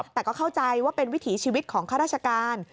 แต่ก็เข้าใจว่าเป็นวิถีชีวิตของข้าราชการ